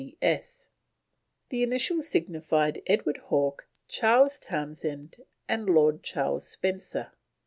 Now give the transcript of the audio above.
C.T., C.S. The initials signify Edward Hawke, Charles Townshend, and Lord Charles Spencer.